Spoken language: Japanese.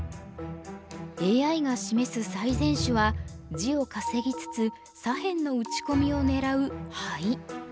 ＡＩが示す最善手は地を稼ぎつつ左辺の打ち込みを狙うハイ。